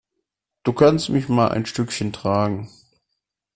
Du kannst mich mal ein Stückchen tragen.